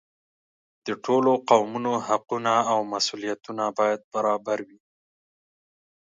د ټولو قومونو حقونه او مسؤلیتونه باید برابر وي.